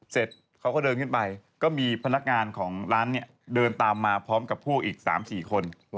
เสร็จเขาก็เดินขึ้นไปก็มีพนักงานของร้านเนี่ยเดินตามมาพร้อมกับพวกอีก๓๔คน